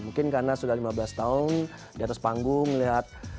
mungkin karena sudah lima belas tahun di atas panggung melihat